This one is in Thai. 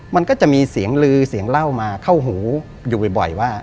มันก็จะมีเสียงลือเสียงเล่ามาเข้าหูอยู่บ่อยว่า